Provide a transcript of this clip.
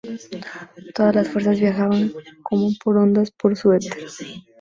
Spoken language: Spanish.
Todas las fuerzas viajaban como ondas por su Éter.